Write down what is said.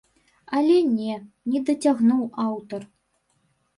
Але не, не дацягнуў аўтар.